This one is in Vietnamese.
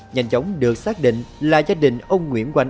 nhanh chóng được xác định là gia đình ông nguyễn quang